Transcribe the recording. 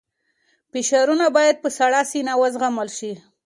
فشارونه باید په سړه سینه وزغمل شي.